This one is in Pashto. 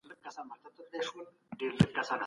زعفران د دې منزل لومړی ګام دی.